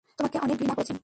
তোমাকে অনেক ঘৃণা করেছি।